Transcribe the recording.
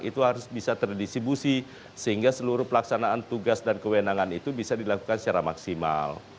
itu harus bisa terdistribusi sehingga seluruh pelaksanaan tugas dan kewenangan itu bisa dilakukan secara maksimal